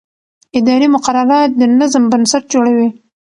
اداري مقررات د نظم بنسټ جوړوي.